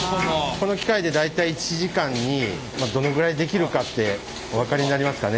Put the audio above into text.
この機械で大体１時間にどのぐらい出来るかってお分かりになりますかね？